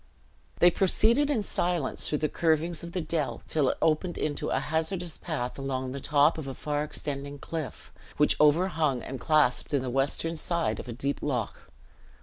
They proceeded in silence through the curvings of the dell till it opened into a hazardous path along the top of a far extending cliff, which overhung and clasped in the western side of a deep loch.